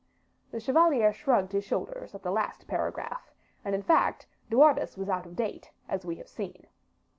The chevalier shrugged his shoulders at the last paragraph, and, in fact, De Wardes was out of date, as we have seen.